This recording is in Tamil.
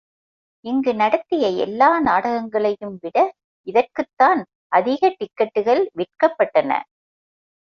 இங்கு நடத்திய எல்லா நாடகங்களையும் விட இதற்குத்தான் அதிக டிக்கட்டுகள் விற்கப்பட்டன.